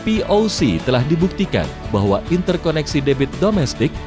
poc telah dibuktikan bahwa interkoneksi debit domestik